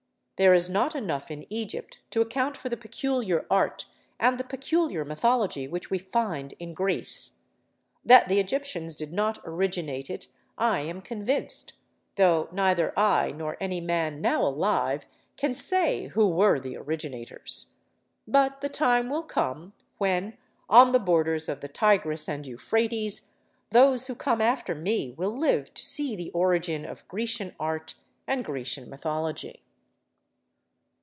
There is not enough in Egypt to account for the peculiar art and the peculiar mythology which we find in Greece. That the Egyptians did not originate it I am convinced, though neither I, nor any man now alive, can say who were the originators. But the time will come when, on the borders of the Tigris and Euphrates, those who come after me will live to see the origin of Grecian art and Grecian mythology.